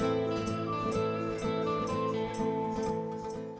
dolmuli staying air